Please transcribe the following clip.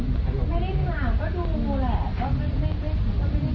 ที่เห็นคือความอาลัยที่เรามีแต่หลอบจากเนื้อมันก็มีหัว